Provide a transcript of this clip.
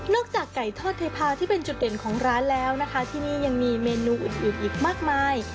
จากไก่ทอดเทพาที่เป็นจุดเด่นของร้านแล้วนะคะที่นี่ยังมีเมนูอื่นอีกมากมาย